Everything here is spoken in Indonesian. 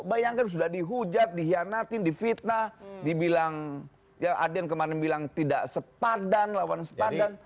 bayangkan sudah dihujat dikhianatin difitnah dibilang ya adian kemarin bilang tidak sepadan lawan sepadan